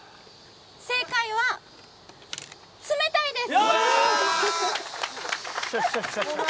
正解は、冷たいです。